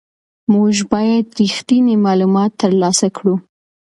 موږ باید ریښتیني معلومات ترلاسه کړو.